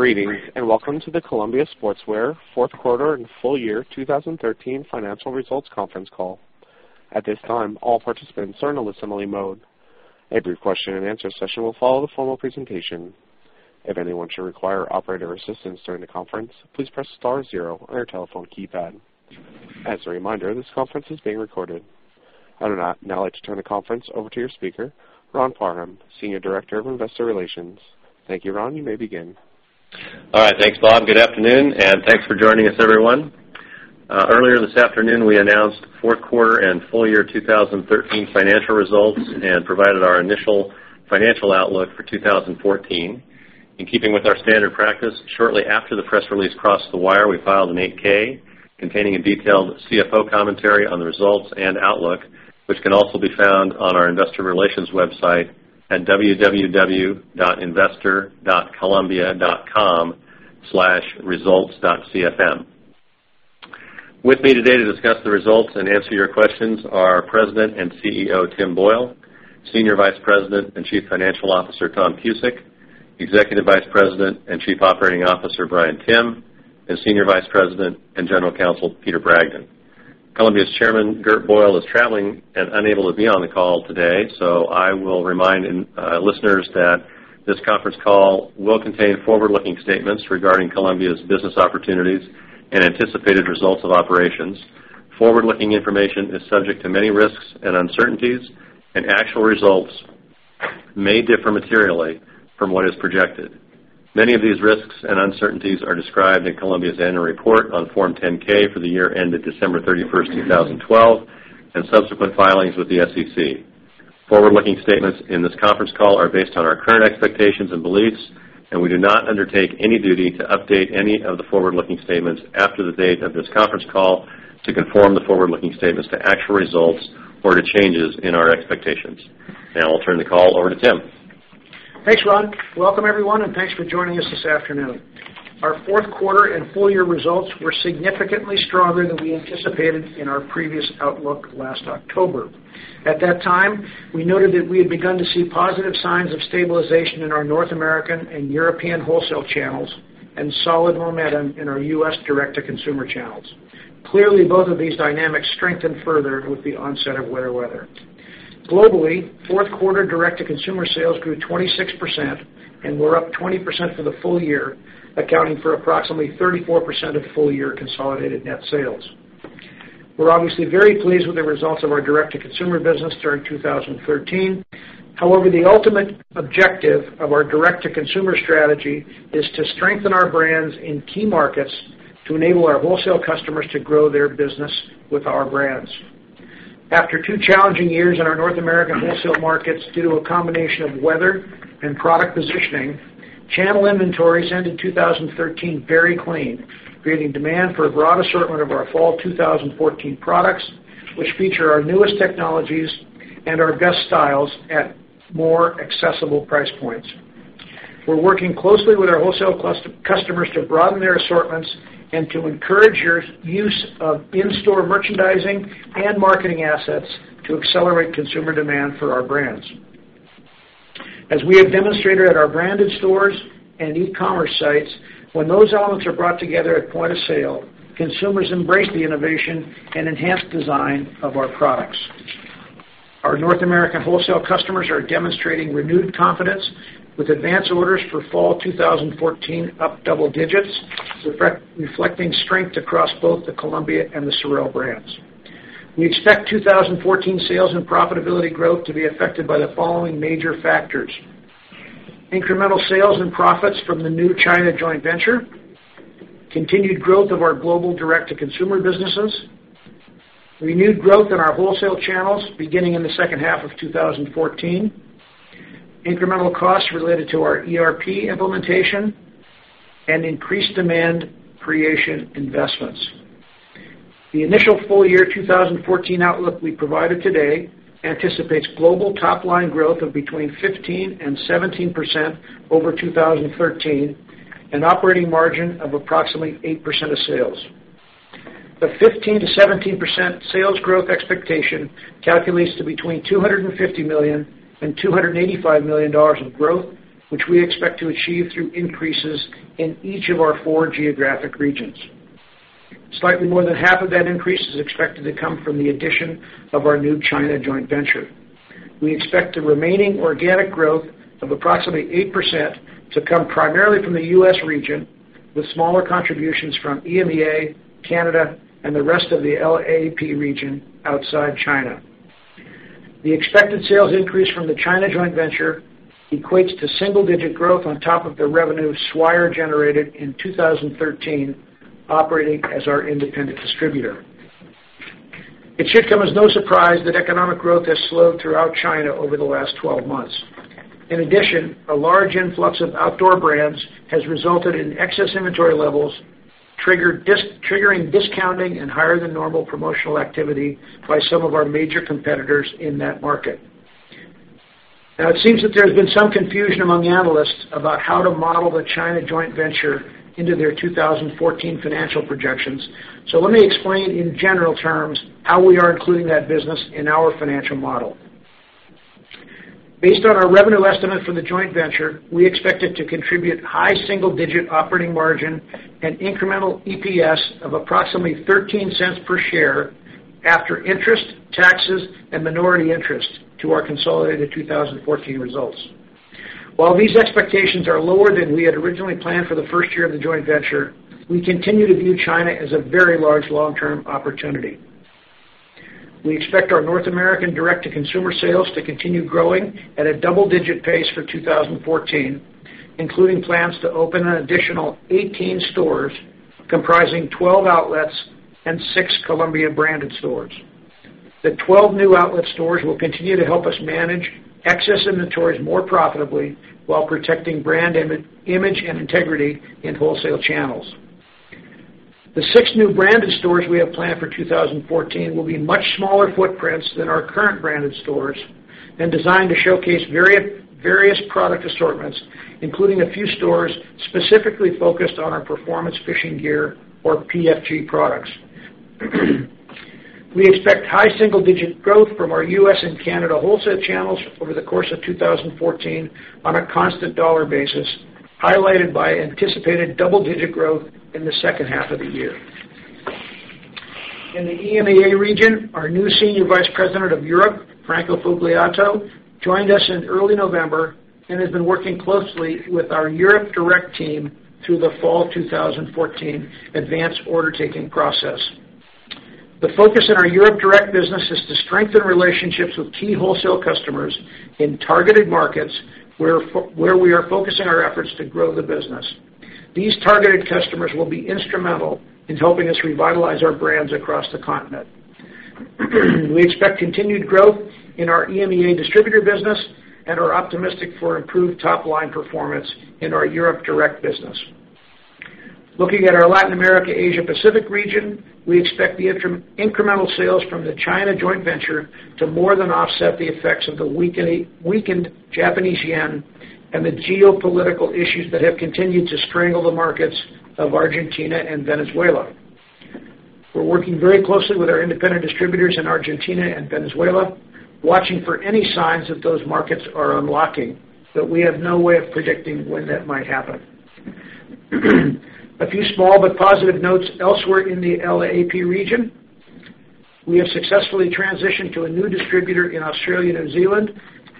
Greetings, and welcome to the Columbia Sportswear fourth quarter and full year 2013 financial results conference call. At this time, all participants are in listen-only mode. A brief question and answer session will follow the formal presentation. If anyone should require operator assistance during the conference, please press star zero on your telephone keypad. As a reminder, this conference is being recorded. I would now like to turn the conference over to your speaker, Ron Parham, Senior Director of Investor Relations. Thank you, Ron. You may begin. All right. Thanks, Bob. Good afternoon, and thanks for joining us, everyone. Earlier this afternoon, we announced fourth quarter and full year 2013 financial results and provided our initial financial outlook for 2014. In keeping with our standard practice, shortly after the press release crossed the wire, we filed an 8-K containing a detailed CFO commentary on the results and outlook, which can also be found on our investor relations website at www.investor.columbia.com/results.cfm. With me today to discuss the results and answer your questions are President and CEO, Tim Boyle, Senior Vice President and Chief Financial Officer, Tom Cusick, Executive Vice President and Chief Operating Officer, Bryan Timm, and Senior Vice President and General Counsel, Peter Bragdon. Columbia's Chairman, Gert Boyle, is traveling and unable to be on the call today, so I will remind listeners that this conference call will contain forward-looking statements regarding Columbia's business opportunities and anticipated results of operations. Forward-looking information is subject to many risks and uncertainties, and actual results may differ materially from what is projected. Many of these risks and uncertainties are described in Columbia's annual report on Form 10-K for the year ended December 31st, 2012, and subsequent filings with the SEC. Forward-looking statements in this conference call are based on our current expectations and beliefs, and we do not undertake any duty to update any of the forward-looking statements after the date of this conference call to conform the forward-looking statements to actual results or to changes in our expectations. Now I'll turn the call over to Tim. Thanks, Ron. Welcome, everyone, and thanks for joining us this afternoon. Our fourth quarter and full year results were significantly stronger than we anticipated in our previous outlook last October. At that time, we noted that we had begun to see positive signs of stabilization in our North American and European wholesale channels and solid momentum in our U.S. direct-to-consumer channels. Clearly, both of these dynamics strengthened further with the onset of wetter weather. Globally, fourth quarter direct-to-consumer sales grew 26% and were up 20% for the full year, accounting for approximately 34% of full-year consolidated net sales. We're obviously very pleased with the results of our direct-to-consumer business during 2013. However, the ultimate objective of our direct-to-consumer strategy is to strengthen our brands in key markets to enable our wholesale customers to grow their business with our brands. After two challenging years in our North American wholesale markets due to a combination of weather and product positioning, channel inventories ended 2013 very clean, creating demand for a broad assortment of our fall 2014 products, which feature our newest technologies and our best styles at more accessible price points. We're working closely with our wholesale customers to broaden their assortments and to encourage use of in-store merchandising and marketing assets to accelerate consumer demand for our brands. As we have demonstrated at our branded stores and e-commerce sites, when those elements are brought together at point of sale, consumers embrace the innovation and enhanced design of our products. Our North American wholesale customers are demonstrating renewed confidence with advance orders for fall 2014 up double digits, reflecting strength across both the Columbia and the Sorel brands. We expect 2014 sales and profitability growth to be affected by the following major factors. Incremental sales and profits from the new China joint venture, continued growth of our global direct-to-consumer businesses, renewed growth in our wholesale channels beginning in the second half of 2014, incremental costs related to our ERP implementation, and increased demand creation investments. The initial full year 2014 outlook we provided today anticipates global top-line growth of between 15% and 17% over 2013 and operating margin of approximately 8% of sales. The 15%-17% sales growth expectation calculates to between $250 million and $285 million of growth, which we expect to achieve through increases in each of our four geographic regions. Slightly more than half of that increase is expected to come from the addition of our new China joint venture. We expect the remaining organic growth of approximately 8% to come primarily from the U.S. region, with smaller contributions from EMEA, Canada, and the rest of the LAP region outside China. The expected sales increase from the China joint venture equates to single-digit growth on top of the revenue Swire generated in 2013, operating as our independent distributor. It should come as no surprise that economic growth has slowed throughout China over the last 12 months. A large influx of outdoor brands has resulted in excess inventory levels, triggering discounting and higher-than-normal promotional activity by some of our major competitors in that market. It seems that there's been some confusion among analysts about how to model the China joint venture into their 2014 financial projections. Let me explain in general terms how we are including that business in our financial model. Based on our revenue estimate for the joint venture, we expect it to contribute high single-digit operating margin and incremental EPS of approximately $0.13 per share after interest, taxes, and minority interest to our consolidated 2014 results. While these expectations are lower than we had originally planned for the first year of the joint venture, we continue to view China as a very large long-term opportunity. We expect our North American direct-to-consumer sales to continue growing at a double-digit pace for 2014, including plans to open an additional 18 stores comprising 12 outlets and six Columbia branded stores. The 12 new outlet stores will continue to help us manage excess inventories more profitably while protecting brand image and integrity in wholesale channels. The six new branded stores we have planned for 2014 will be much smaller footprints than our current branded stores and designed to showcase various product assortments, including a few stores specifically focused on our PFG products. We expect high single-digit growth from our U.S. and Canada wholesale channels over the course of 2014 on a constant dollar basis, highlighted by anticipated double-digit growth in the second half of the year. In the EMEA region, our new Senior Vice President of Europe, Franco Fogliato, joined us in early November and has been working closely with our Europe direct team through the fall 2014 advance order-taking process. The focus in our Europe direct business is to strengthen relationships with key wholesale customers in targeted markets where we are focusing our efforts to grow the business. These targeted customers will be instrumental in helping us revitalize our brands across the continent. We expect continued growth in our EMEA distributor business and are optimistic for improved top-line performance in our Europe direct business. Looking at our Latin America Asia Pacific Region, we expect the incremental sales from the China joint venture to more than offset the effects of the weakened Japanese yen and the geopolitical issues that have continued to strangle the markets of Argentina and Venezuela. We're working very closely with our independent distributors in Argentina and Venezuela, watching for any signs that those markets are unlocking, but we have no way of predicting when that might happen. A few small but positive notes elsewhere in the LAP Region. We have successfully transitioned to a new distributor in Australia, New Zealand,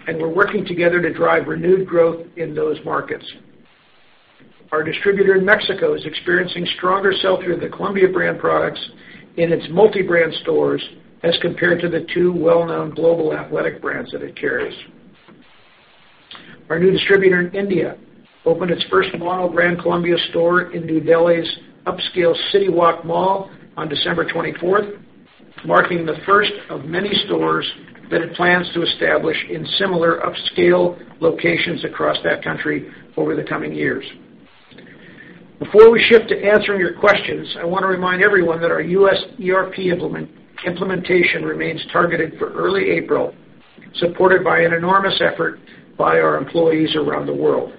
and we're working together to drive renewed growth in those markets. Our distributor in Mexico is experiencing stronger sell-through of the Columbia brand products in its multi-brand stores as compared to the two well-known global athletic brands that it carries. Our new distributor in India opened its first mono-brand Columbia store in New Delhi's upscale Select Citywalk Mall on December 24th, marking the first of many stores that it plans to establish in similar upscale locations across that country over the coming years. Before we shift to answering your questions, I want to remind everyone that our U.S. ERP implementation remains targeted for early April, supported by an enormous effort by our employees around the world.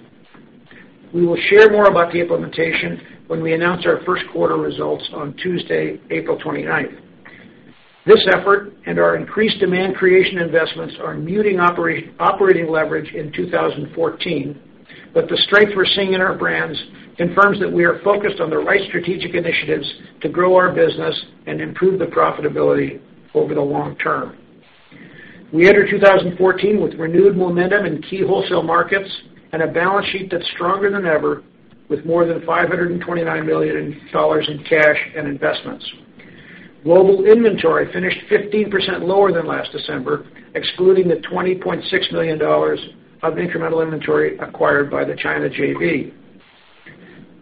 We will share more about the implementation when we announce our first quarter results on Tuesday, April 29th. This effort and our increased demand creation investments are muting operating leverage in 2014. The strength we're seeing in our brands confirms that we are focused on the right strategic initiatives to grow our business and improve the profitability over the long term. We enter 2014 with renewed momentum in key wholesale markets and a balance sheet that's stronger than ever with more than $529 million in cash and investments. Global inventory finished 15% lower than last December, excluding the $20.6 million of incremental inventory acquired by the China JV.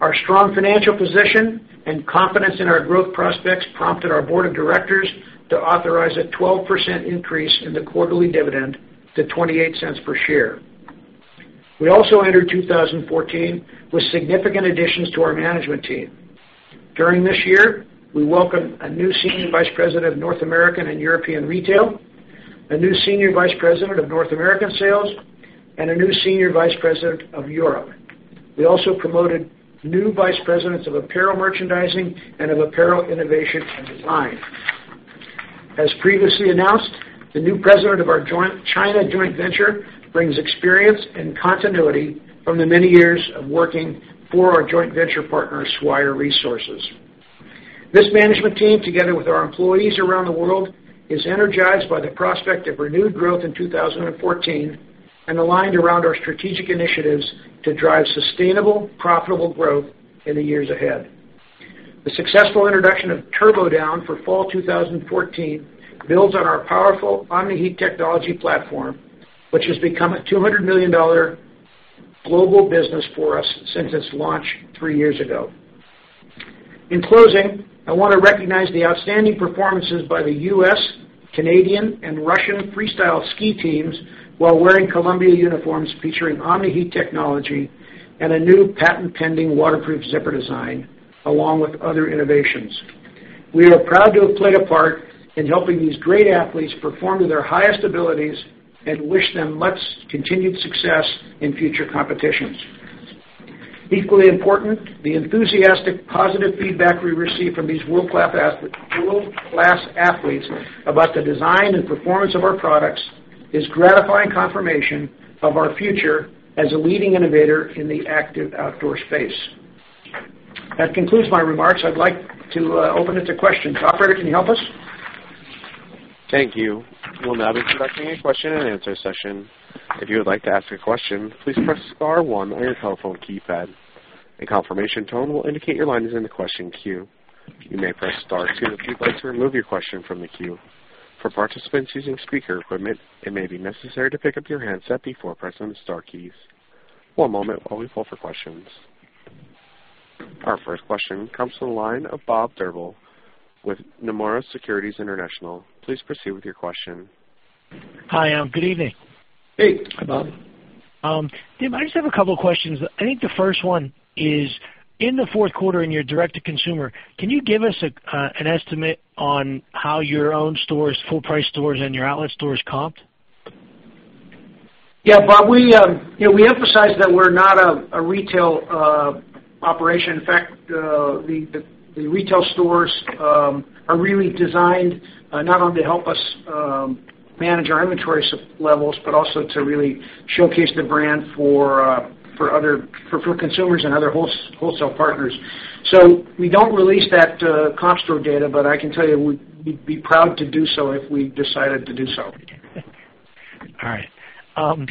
Our strong financial position and confidence in our growth prospects prompted our board of directors to authorize a 12% increase in the quarterly dividend to $0.28 per share. We also entered 2014 with significant additions to our management team. During this year, we welcomed a new senior vice president of North American and European retail, a new senior vice president of North American sales, and a new senior vice president of Europe. We also promoted new vice presidents of apparel merchandising and of apparel innovation and design. As previously announced, the new president of our China joint venture brings experience and continuity from the many years of working for our joint venture partner, Swire Resources. This management team, together with our employees around the world, is energized by the prospect of renewed growth in 2014 and aligned around our strategic initiatives to drive sustainable, profitable growth in the years ahead. The successful introduction of TurboDown for fall 2014 builds on our powerful Omni-Heat technology platform, which has become a $200 million global business for us since its launch three years ago. In closing, I want to recognize the outstanding performances by the U.S., Canadian, and Russian freestyle ski teams while wearing Columbia uniforms featuring Omni-Heat technology and a new patent-pending waterproof zipper design, along with other innovations. We are proud to have played a part in helping these great athletes perform to their highest abilities and wish them much continued success in future competitions. Equally important, the enthusiastic positive feedback we receive from these world-class athletes about the design and performance of our products is gratifying confirmation of our future as a leading innovator in the active outdoor space. That concludes my remarks. I'd like to open it to questions. Operator, can you help us? Thank you. We'll now be conducting a question and answer session. If you would like to ask a question, please press star one on your telephone keypad. A confirmation tone will indicate your line is in the question queue. You may press star two if you'd like to remove your question from the queue. For participants using speaker equipment, it may be necessary to pick up your handset before pressing the star keys. One moment while we pull for questions. Our first question comes from the line of Bob Drbul with Nomura Securities International. Please proceed with your question. Hi, good evening. Hey. Hi, Bob. Tim, I just have a couple of questions. I think the first one is, in the fourth quarter in your direct-to-consumer, can you give us an estimate on how your own stores, full price stores, and your outlet stores comped? Yeah, Bob, we emphasize that we're not a retail operation. In fact, the retail stores are really designed, not only to help us manage our inventory levels, but also to really showcase the brand for consumers and other wholesale partners. We don't release that comp store data, but I can tell you we'd be proud to do so if we decided to do so. All right.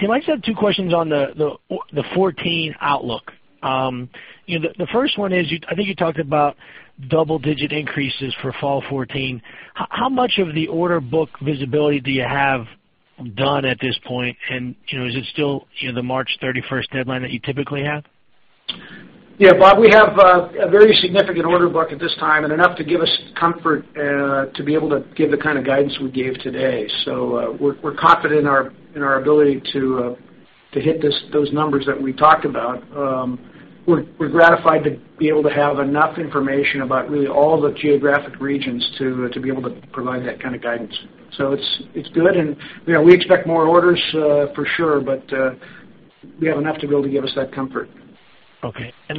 Tim, I just have two questions on the 2014 outlook. The first one is, I think you talked about double-digit increases for fall 2014. How much of the order book visibility do you have done at this point? Is it still the March 31st deadline that you typically have? Yeah, Bob, we have a very significant order book at this time and enough to give us comfort to be able to give the kind of guidance we gave today. We're confident in our ability to hit those numbers that we talked about. We're gratified to be able to have enough information about really all the geographic regions to be able to provide that kind of guidance. It's good, and we expect more orders for sure, but we have enough to be able to give us that comfort. Okay. I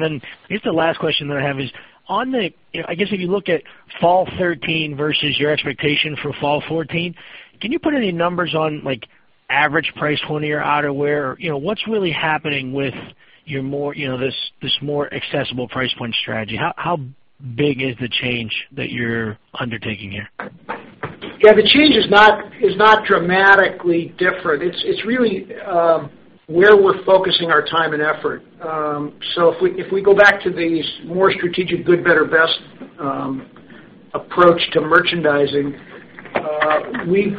guess the last question that I have is, I guess if you look at fall 2013 versus your expectation for fall 2014, can you put any numbers on average price point of your outerwear? What's really happening with this more accessible price point strategy? How big is the change that you're undertaking here? Yeah, the change is not dramatically different. It's really where we're focusing our time and effort. If we go back to these more strategic good, better, best approach to merchandising, we've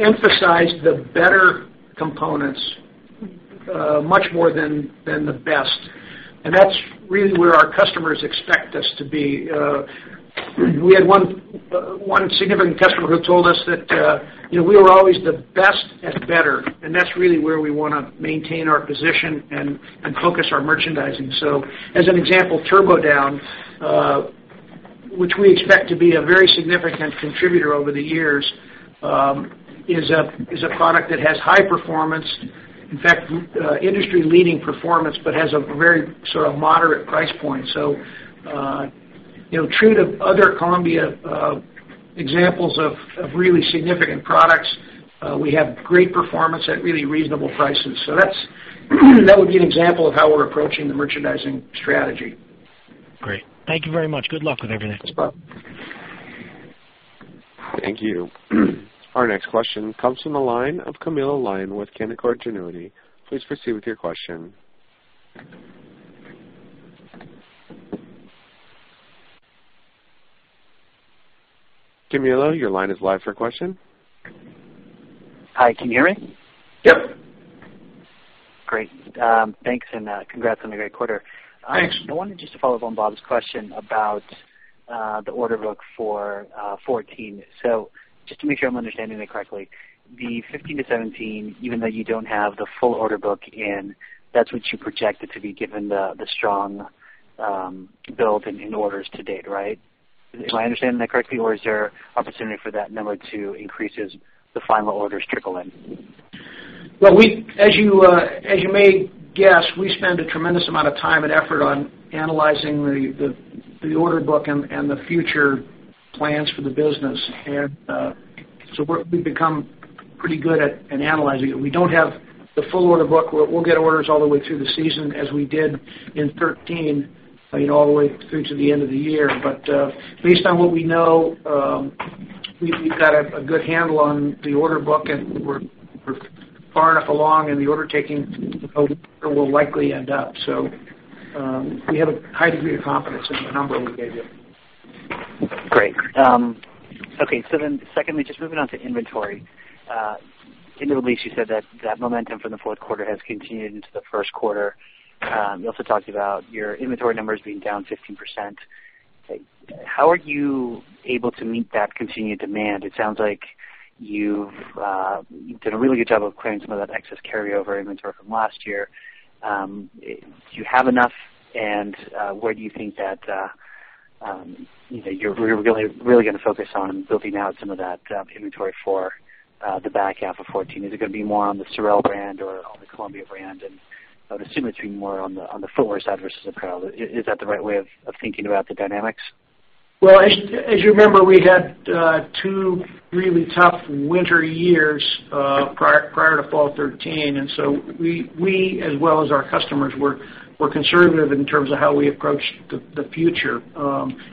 emphasized the better components much more than the best. That's really where our customers expect us to be. We had one significant customer who told us that we were always the best at better, and that's really where we want to maintain our position and focus our merchandising. As an example, TurboDown, which we expect to be a very significant contributor over the years, is a product that has high performance, in fact, industry-leading performance, but has a very sort of moderate price point. True to other Columbia examples of really significant products, we have great performance at really reasonable prices. That would be an example of how we're approaching the merchandising strategy. Great. Thank you very much. Good luck with everything. Thanks, Bob. Thank you. Our next question comes from the line of Camilo Lyon with Canaccord Genuity. Please proceed with your question. Camilo, your line is live for question. Hi, can you hear me? Yep. Great. Thanks, congrats on the great quarter. Thanks. I wanted just to follow up on Bob's question about the order book for 2014. Just to make sure I'm understanding that correctly, the 15%-17%, even though you don't have the full order book in, that's what you projected to be given the strong build in orders to date, right? Am I understanding that correctly, or is there opportunity for that number to increase as the final orders trickle in? Well, as you may guess, we spend a tremendous amount of time and effort on analyzing the order book and the future plans for the business. We've become pretty good at analyzing it. We don't have the full order book. We'll get orders all the way through the season as we did in 2013, all the way through to the end of the year. Based on what we know, we've got a good handle on the order book, and we're far enough along in the order-taking of where we'll likely end up. We have a high degree of confidence in the number we gave you. Great. Okay. Secondly, just moving on to inventory. In your release, you said that that momentum from the fourth quarter has continued into the first quarter. You also talked about your inventory numbers being down 15%. How are you able to meet that continued demand? It sounds like you've done a really good job of clearing some of that excess carryover inventory from last year. Do you have enough, and where do you think that really going to focus on building out some of that inventory for the back half of 2014. Is it going to be more on the Sorel brand or on the Columbia brand? I would assume it's going to be more on the footwear side versus apparel. Is that the right way of thinking about the dynamics? Well, as you remember, we had two really tough winter years prior to fall 2013, we, as well as our customers, were conservative in terms of how we approached the future.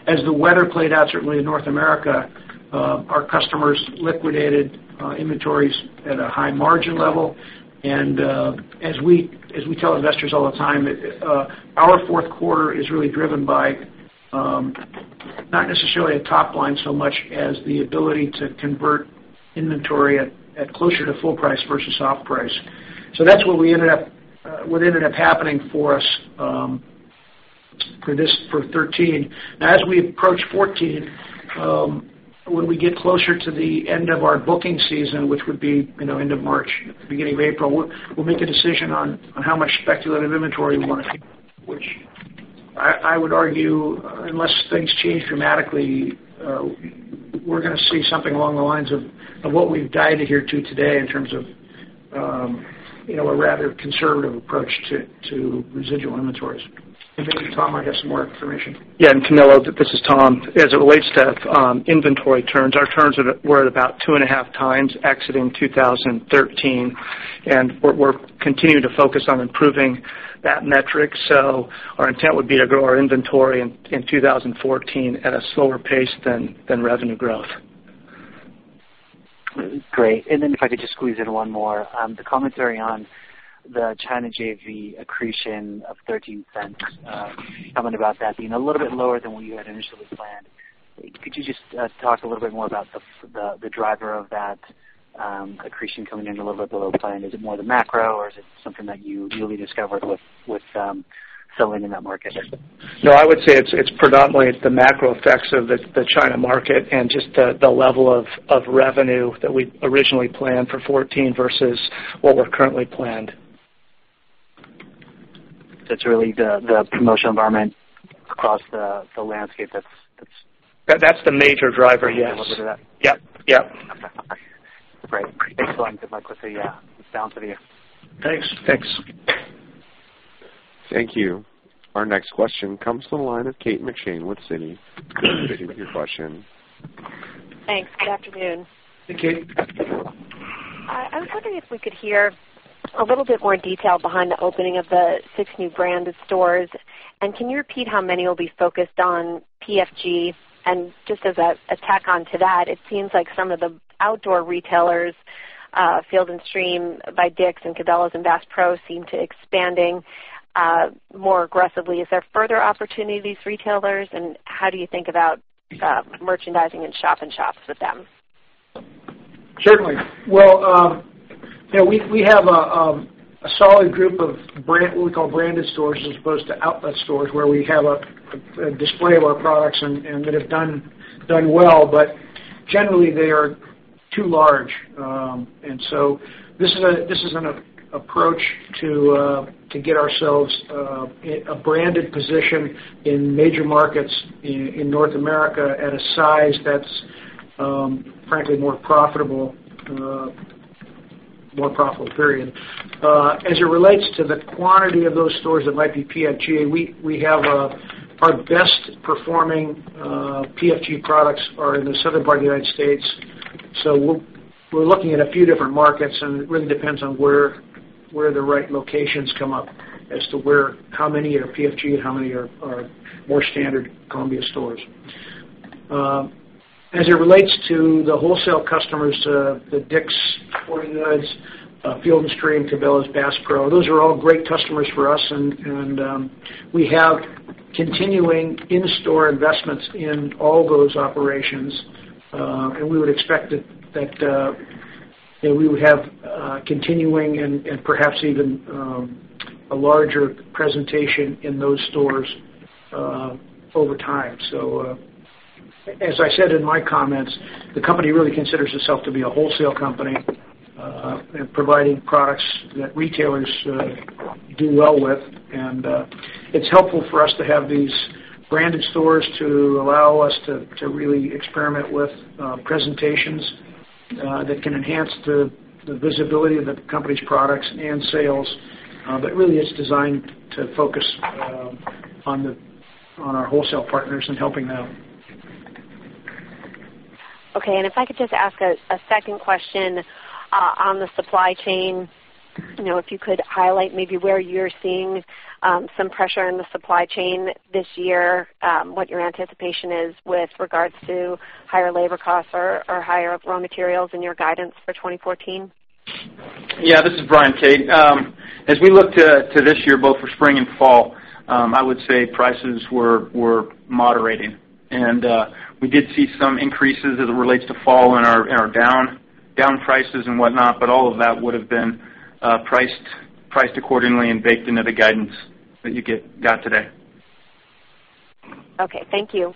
As the weather played out, certainly in North America, our customers liquidated inventories at a high margin level. As we tell investors all the time, our fourth quarter is really driven by not necessarily a top line so much as the ability to convert inventory at closer to full price versus off price. That's what ended up happening for us for 2013. Now, as we approach 2014, when we get closer to the end of our booking season, which would be end of March, beginning of April, we'll make a decision on how much speculative inventory we want to keep, which I would argue, unless things change dramatically, we're going to see something along the lines of what we've guided here to today in terms of a rather conservative approach to residual inventories. Maybe Tom might have some more information. Yeah. Camilo, this is Tom. As it relates to inventory turns, our turns were at about 2.5 times exiting 2013. We're continuing to focus on improving that metric. Our intent would be to grow our inventory in 2014 at a slower pace than revenue growth. Great. If I could just squeeze in one more. The commentary on the China JV accretion of $0.13, comment about that being a little bit lower than what you had initially planned. Could you just talk a little bit more about the driver of that accretion coming in a little bit below plan? Is it more the macro or is it something that you really discovered with selling in that market? No, I would say predominantly it's the macro effects of the China market. Just the level of revenue that we'd originally planned for 2014 versus what we're currently planned. That's really the promotional environment across the landscape that's That's the major driver, yes. A little bit of that. Yep. Great. Thanks a lot. Good luck with the down for the year. Thanks. Thanks. Thank you. Our next question comes from the line of Kate McShane with Citi. Go ahead, Kate, with your question. Thanks. Good afternoon. Hey, Kate. I was wondering if we could hear a little bit more detail behind the opening of the six new branded stores. Can you repeat how many will be focused on PFG? Just as a tack on to that, it seems like some of the outdoor retailers, Field & Stream by Dick's and Cabela's and Bass Pro, seem to expanding more aggressively. Is there further opportunity with these retailers, and how do you think about merchandising and shop-in-shops with them? Certainly. Well, we have a solid group of what we call branded stores as opposed to outlet stores, where we have a display of our products and that have done well. Generally, they are too large. This is an approach to get ourselves a branded position in major markets in North America at a size that's, frankly, more profitable. Period. As it relates to the quantity of those stores that might be PFG, our best performing PFG products are in the southern part of the U.S. We're looking at a few different markets, and it really depends on where the right locations come up as to how many are PFG and how many are more standard Columbia stores. As it relates to the wholesale customers, the Dick's Sporting Goods, Field & Stream, Cabela's, Bass Pro, those are all great customers for us. We have continuing in-store investments in all those operations. We would expect that we would have continuing and perhaps even a larger presentation in those stores over time. As I said in my comments, the company really considers itself to be a wholesale company and providing products that retailers do well with. It's helpful for us to have these branded stores to allow us to really experiment with presentations that can enhance the visibility of the company's products and sales. Really, it's designed to focus on our wholesale partners and helping them. Okay. If I could just ask a second question on the supply chain. If you could highlight maybe where you're seeing some pressure in the supply chain this year, what your anticipation is with regards to higher labor costs or higher raw materials in your guidance for 2014. Yeah. This is Bryan, Kate. As we look to this year, both for spring and fall, I would say prices were moderating. We did see some increases as it relates to fall in our down prices and whatnot, but all of that would have been priced accordingly and baked into the guidance that you got today. Okay. Thank you.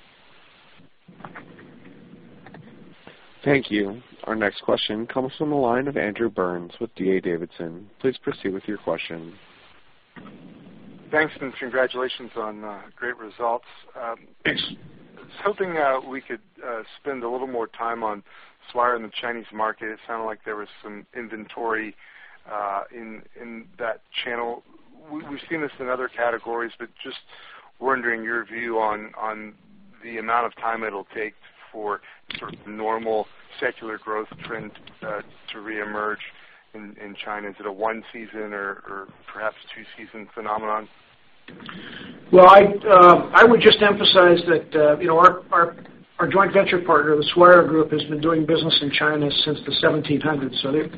Thank you. Our next question comes from the line of Andrew Burns with D.A. Davidson. Please proceed with your question. Thanks, congratulations on great results. Thanks. I was hoping we could spend a little more time on Swire and the Chinese market. It sounded like there was some inventory in that channel. We've seen this in other categories, but just wondering your view on the amount of time it'll take for sort of the normal secular growth trend to reemerge in China. Is it a one-season or perhaps two-season phenomenon? I would just emphasize that our joint venture partner, the Swire Group, has been doing business in China since the 1700s.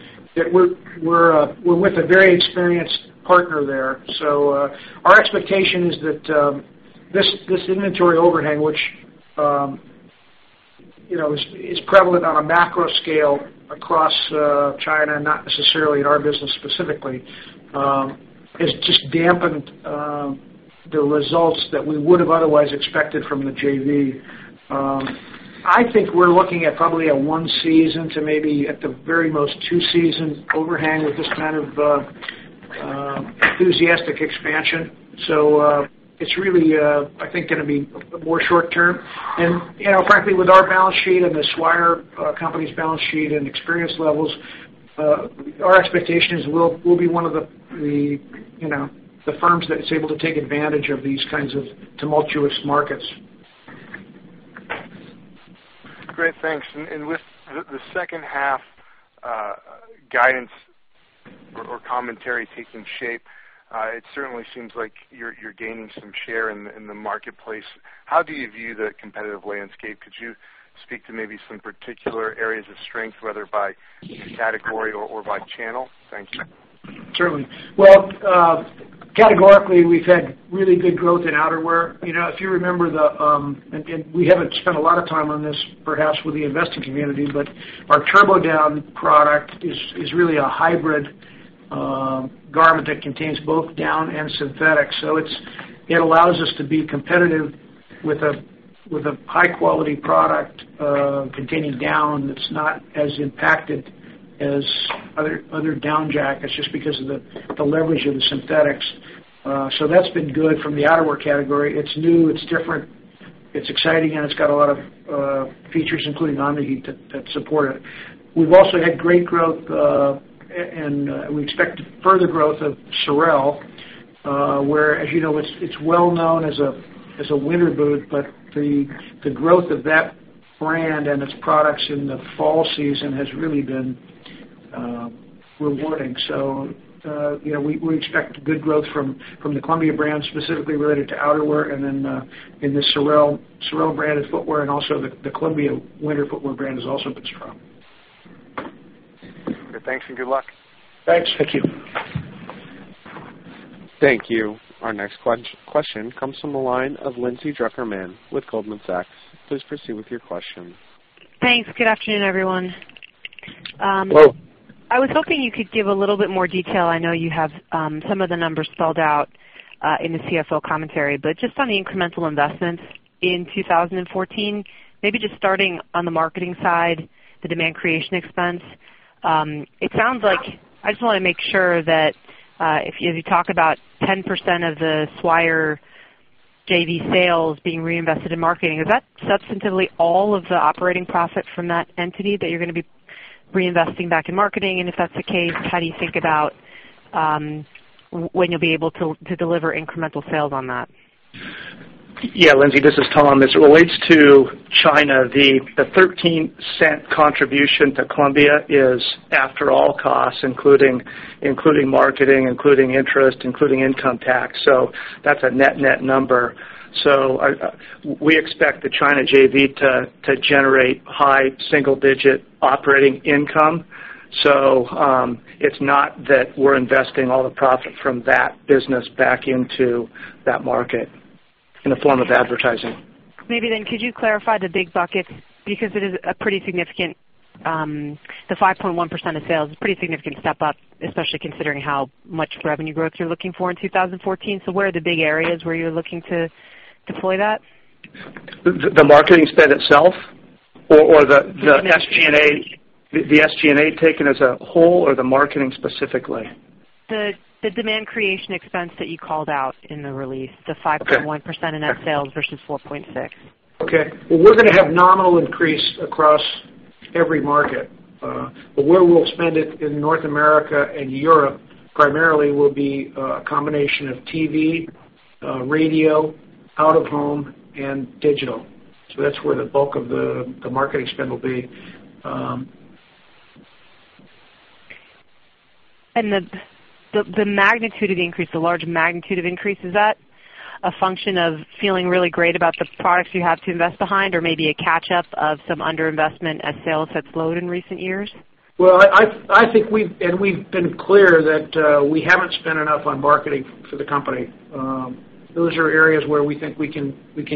We're with a very experienced partner there. Our expectation is that this inventory overhang, which is prevalent on a macro scale across China, not necessarily in our business specifically, has just dampened the results that we would have otherwise expected from the JV. I think we're looking at probably a one-season to maybe, at the very most, two-season overhang with this kind of enthusiastic expansion. It's really, I think, going to be more short-term. Frankly, with our balance sheet and the Swire Group's balance sheet and experience levels, our expectation is we'll be one of the firms that is able to take advantage of these kinds of tumultuous markets. Great. Thanks. With the second half guidance or commentary taking shape, it certainly seems like you're gaining some share in the marketplace. How do you view the competitive landscape? Could you speak to maybe some particular areas of strength, whether by category or by channel? Thank you. Certainly. Categorically, we've had really good growth in outerwear. If you remember, and we haven't spent a lot of time on this, perhaps with the investing community, but our TurboDown product is really a hybrid garment that contains both down and synthetic. It allows us to be competitive with a high-quality product containing down that's not as impacted as other down jackets just because of the leverage of the synthetics. That's been good from the outerwear category. It's new, it's different, it's exciting, and it's got a lot of features, including Omni-Heat, that support it. We've also had great growth, and we expect further growth of Sorel, where, as you know, it's well known as a winter boot, but the growth of that brand and its products in the fall season has really been rewarding. We expect good growth from the Columbia brand, specifically related to outerwear, and then in the Sorel brand of footwear, and also the Columbia winter footwear brand has also been strong. Thanks. Good luck. Thanks. Thank you. Thank you. Our next question comes from the line of Lindsay Drucker Mann with Goldman Sachs. Please proceed with your question. Thanks. Good afternoon, everyone. Hello. I was hoping you could give a little bit more detail. I know you have some of the numbers spelled out in the CFO commentary, but just on the incremental investments in 2014, maybe just starting on the marketing side, the demand creation expense. I just want to make sure that if you talk about 10% of the Swire JV sales being reinvested in marketing, is that substantively all of the operating profit from that entity that you're going to be reinvesting back in marketing? If that's the case, how do you think about when you'll be able to deliver incremental sales on that? Yeah, Lindsay, this is Tom. As it relates to China, the $0.13 contribution to Columbia is after all costs, including marketing, including interest, including income tax. That's a net-net number. We expect the China JV to generate high single-digit operating income. It's not that we're investing all the profit from that business back into that market in the form of advertising. Maybe, could you clarify the big buckets? Because the 5.1% of sales is a pretty significant step up, especially considering how much revenue growth you're looking for in 2014. Where are the big areas where you're looking to deploy that? The marketing spend itself or the SG&A taken as a whole or the marketing specifically? The demand creation expense that you called out in the release, the 5.1% in net sales versus 4.6%. Okay. Well, we're going to have nominal increase across every market. Where we'll spend it in North America and Europe primarily will be a combination of TV, radio, out of home, and digital. That's where the bulk of the marketing spend will be. The magnitude of the increase, the large magnitude of increase, is that a function of feeling really great about the products you have to invest behind or maybe a catch up of some under-investment as sales have slowed in recent years? Well, we've been clear that we haven't spent enough on marketing for the company. Those are areas where we think we can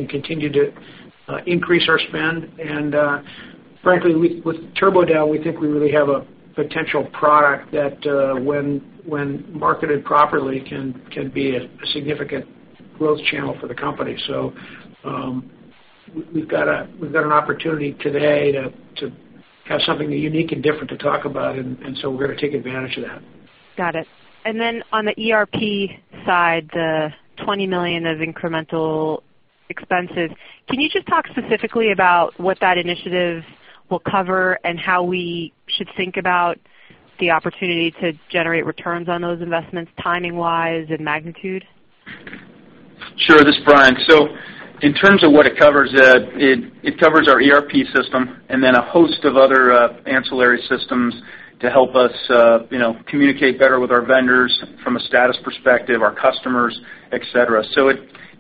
continue to increase our spend. Frankly, with TurboDown, we think we really have a potential product that when marketed properly, can be a significant. growth channel for the company. We've got an opportunity today to have something unique and different to talk about, we're going to take advantage of that. Got it. On the ERP side, the $20 million of incremental expenses, can you just talk specifically about what that initiative will cover and how we should think about the opportunity to generate returns on those investments, timing-wise and magnitude? Sure. This is Bryan. In terms of what it covers, it covers our ERP system a host of other ancillary systems to help us communicate better with our vendors from a status perspective, our customers, et cetera.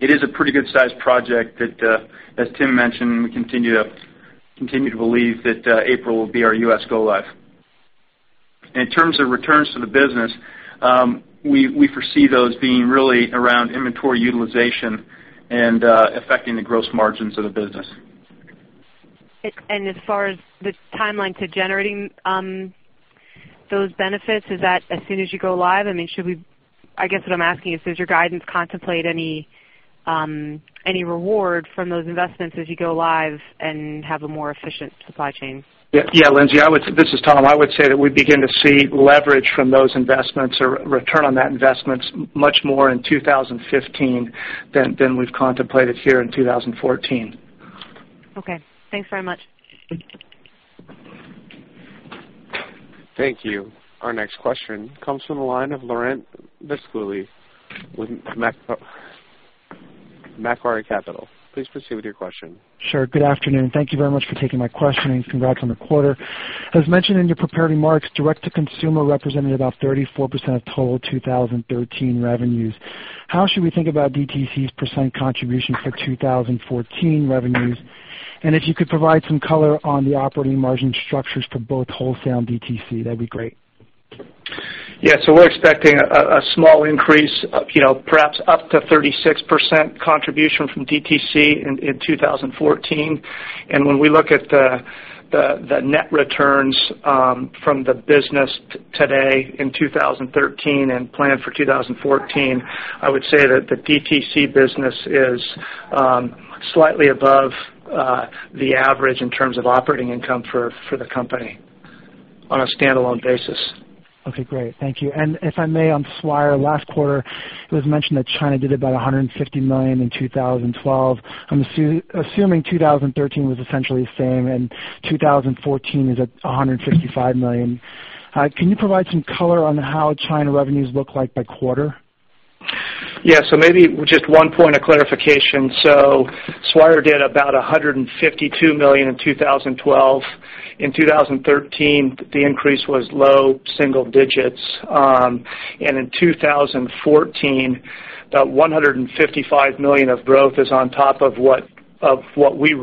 It is a pretty good-sized project that, as Tim mentioned, we continue to believe that April will be our U.S. go-live. In terms of returns to the business, we foresee those being really around inventory utilization and affecting the gross margins of the business. As far as the timeline to generating those benefits, is that as soon as you go live? I guess what I'm asking is, does your guidance contemplate any reward from those investments as you go live and have a more efficient supply chain? Yeah, Lindsay. This is Tom. I would say that we begin to see leverage from those investments or return on that investment much more in 2015 than we've contemplated here in 2014. Okay. Thanks very much. Thank you. Our next question comes from the line of Laurent Vasilescu with Macquarie Capital. Please proceed with your question. Sure. Good afternoon. Thank you very much for taking my question. Congrats on the quarter. As mentioned in your prepared remarks, direct-to-consumer represented about 34% of total 2013 revenues. How should we think about DTC's percent contribution for 2014 revenues? If you could provide some color on the operating margin structures for both wholesale and DTC, that'd be great. We're expecting a small increase of perhaps up to 36% contribution from DTC in 2014. When we look at the net returns from the business today in 2013 and planned for 2014, I would say that the DTC business is slightly above the average in terms of operating income for the company on a standalone basis. Okay, great. Thank you. If I may, on Swire, last quarter, it was mentioned that China did about $150 million in 2012. I'm assuming 2013 was essentially the same, 2014 is at $155 million. Can you provide some color on how China revenues look like by quarter? Maybe just one point of clarification. Swire did about $152 million in 2012. In 2013, the increase was low single digits. In 2014, that $155 million of growth is on top of what we,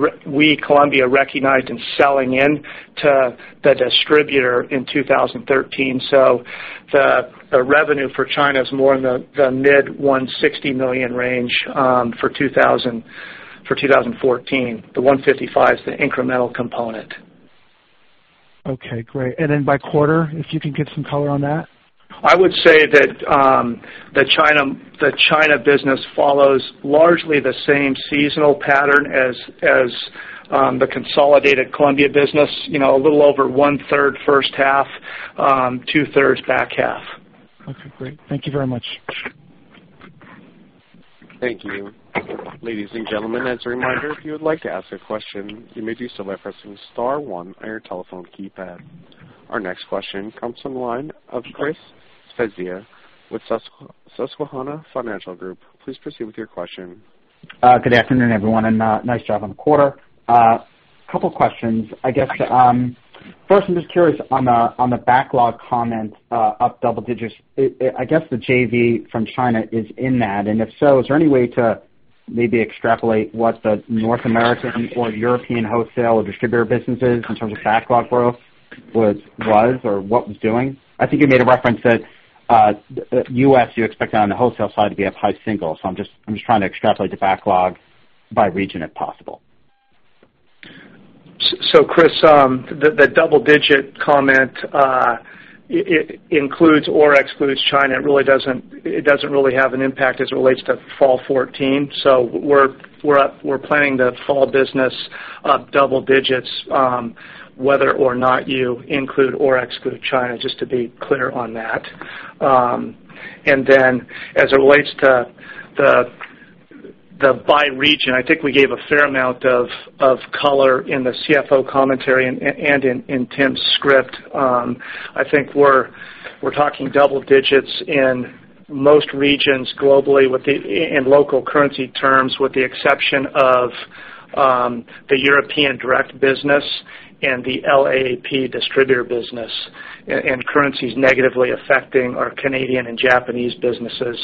Columbia, recognized in selling in to the distributor in 2013. The revenue for China is more in the mid $160 million range for 2014. The $155 million is the incremental component. Okay, great. Then by quarter, if you could give some color on that? I would say that the China business follows largely the same seasonal pattern as the consolidated Columbia business. A little over one-third first half, two-thirds back half. Okay, great. Thank you very much. Thank you. Ladies and gentlemen, as a reminder, if you would like to ask a question, you may do so by pressing star one on your telephone keypad. Our next question comes from the line of Christopher Svezia with Susquehanna Financial Group. Please proceed with your question. Good afternoon, everyone, nice job on the quarter. A couple of questions. First, I'm just curious on the backlog comment up double digits. I guess the JV from China is in that. If so, is there any way to maybe extrapolate what the North American or European wholesale or distributor businesses in terms of backlog growth was or what was doing? I think you made a reference that U.S., you expect on the wholesale side to be up high single. I'm just trying to extrapolate the backlog by region, if possible. Chris, the double-digit comment includes or excludes China. It doesn't really have an impact as it relates to fall 2014. We're planning the fall business up double digits whether or not you include or exclude China, just to be clear on that. As it relates to the by region, I think we gave a fair amount of color in the CFO commentary and in Tim's script. I think we're talking double digits in most regions globally in local currency terms with the exception of the European direct business and the LAP distributor business. Currency's negatively affecting our Canadian and Japanese businesses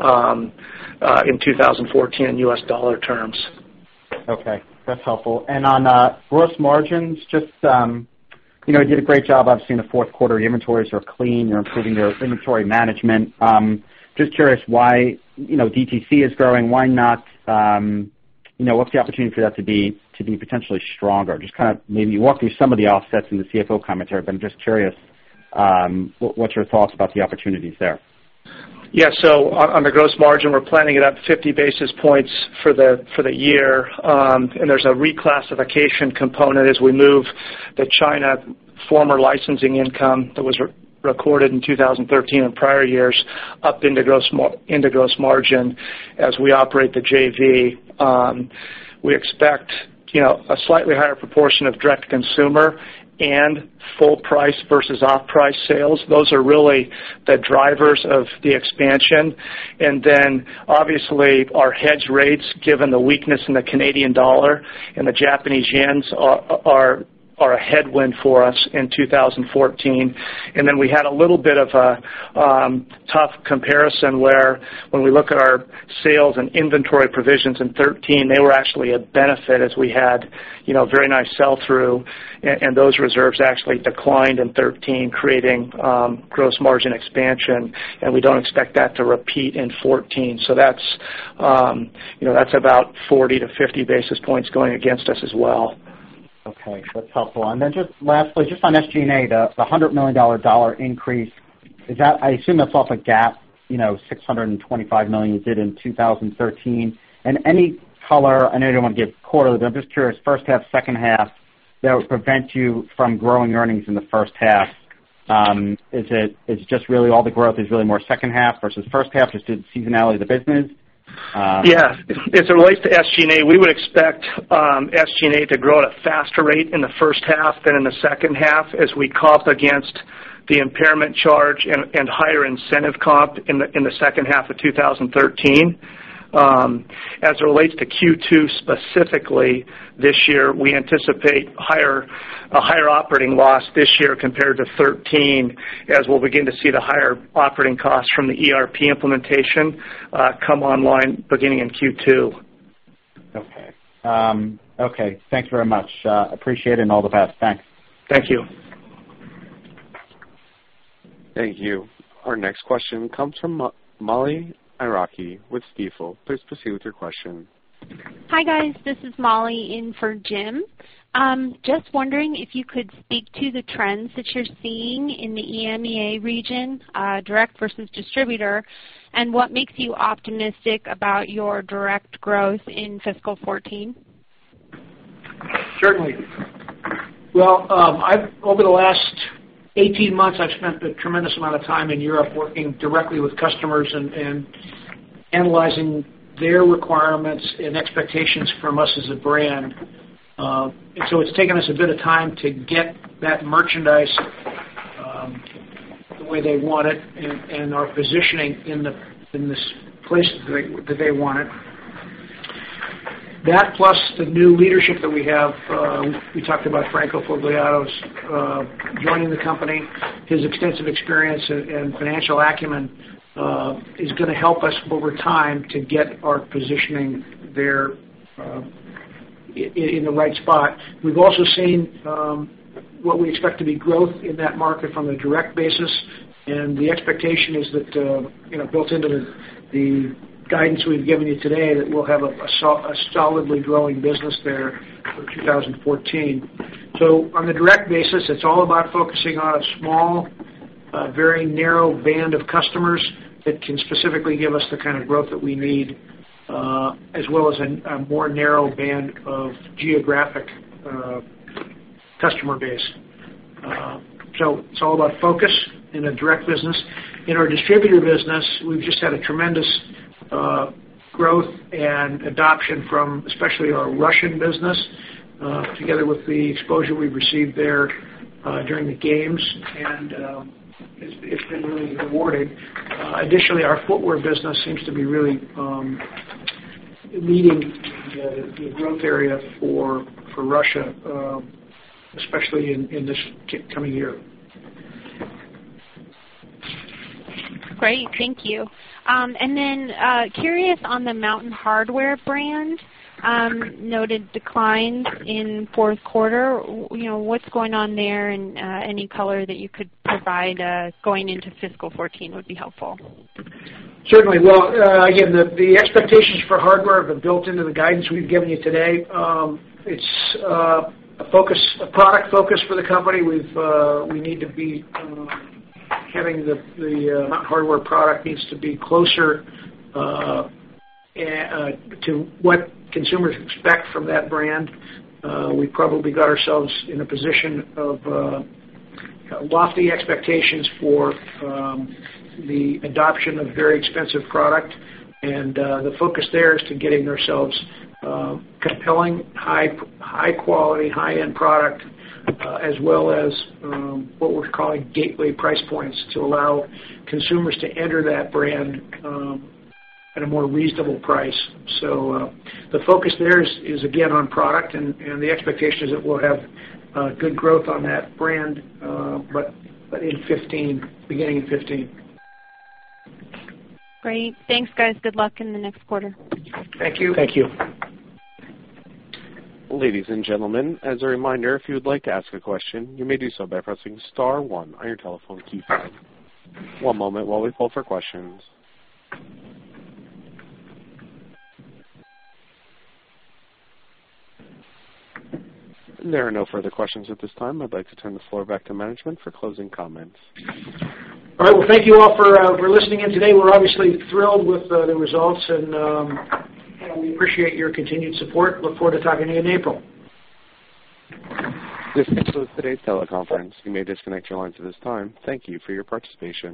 in 2014 U.S. dollar terms. Okay. That's helpful. On gross margins, you did a great job, obviously, in the fourth quarter. Your inventories are clean. You're improving your inventory management. Just curious why DTC is growing. What's the opportunity for that to be potentially stronger? Just maybe walk through some of the offsets in the CFO commentary, but I'm just curious what's your thoughts about the opportunities there? Yeah. On the gross margin, we're planning it up 50 basis points for the year. There's a reclassification component as we move the China former licensing income that was recorded in 2013 and prior years up into gross margin as we operate the JV. We expect a slightly higher proportion of direct-to-consumer and full price versus off-price sales. Those are really the drivers of the expansion. Obviously, our hedge rates, given the weakness in the Canadian dollar and the Japanese yen, are a headwind for us in 2014. We had a little bit of a tough comparison where when we look at our sales and inventory provisions in 2013, they were actually a benefit as we had very nice sell-through. Those reserves actually declined in 2013, creating gross margin expansion. We don't expect that to repeat in 2014. That's about 40 to 50 basis points going against us as well. Okay. That's helpful. Then just lastly, just on SG&A, the $100 million increase, I assume that's off a GAAP $625 million you did in 2013. Any color, I know you don't want to give quarterly, but I'm just curious, first half, second half, that would prevent you from growing earnings in the first half. Is just really all the growth is really more second half versus first half just due to the seasonality of the business? Yeah. As it relates to SG&A, we would expect SG&A to grow at a faster rate in the first half than in the second half as we comp against the impairment charge and higher incentive comp in the second half of 2013. As it relates to Q2 specifically, this year, we anticipate a higher operating loss this year compared to 2013 as we'll begin to see the higher operating costs from the ERP implementation come online beginning in Q2. Okay. Thanks very much. Appreciate it. All the best. Thanks. Thank you. Thank you. Our next question comes from Molly Iarocci with Stifel. Please proceed with your question. Hi, guys. This is Molly in for Jim. Just wondering if you could speak to the trends that you're seeing in the EMEA region, direct versus distributor, and what makes you optimistic about your direct growth in fiscal 2014? Certainly. Well, over the last 18 months, I've spent a tremendous amount of time in Europe working directly with customers and analyzing their requirements and expectations from us as a brand. It's taken us a bit of time to get that merchandise the way they want it and our positioning in this place that they want it. That, plus the new leadership that we have. We talked about Franco Fogliato's joining the company. His extensive experience and financial acumen is going to help us over time to get our positioning there in the right spot. We've also seen what we expect to be growth in that market from a direct basis, and the expectation is that, built into the guidance we've given you today, that we'll have a solidly growing business there for 2014. On the direct basis, it's all about focusing on a small, very narrow band of customers that can specifically give us the kind of growth that we need, as well as a more narrow band of geographic customer base. It's all about focus in the direct business. In our distributor business, we've just had a tremendous growth and adoption from especially our Russian business, together with the exposure we've received there during the games, and it's been really rewarding. Additionally, our footwear business seems to be really leading the growth area for Russia, especially in this coming year. Curious on the Mountain Hardwear brand. Noted declines in fourth quarter. What's going on there? Any color that you could provide going into fiscal 2014 would be helpful. Certainly. Well, again, the expectations for Hardwear have been built into the guidance we've given you today. It's a product focus for the company. The Mountain Hardwear product needs to be closer to what consumers expect from that brand. We probably got ourselves in a position of lofty expectations for the adoption of very expensive product. The focus there is to getting ourselves compelling, high-quality, high-end product, as well as what we're calling gateway price points to allow consumers to enter that brand at a more reasonable price. The focus there is again on product. The expectation is that we'll have good growth on that brand, but beginning in 2015. Great. Thanks, guys. Good luck in the next quarter. Thank you. Thank you. Ladies and gentlemen, as a reminder, if you would like to ask a question, you may do so by pressing star one on your telephone keypad. One moment while we pull for questions. There are no further questions at this time. I'd like to turn the floor back to management for closing comments. All right. Well, thank you all for listening in today. We're obviously thrilled with the results, and we appreciate your continued support. Look forward to talking to you in April. This concludes today's teleconference. You may disconnect your lines at this time. Thank you for your participation.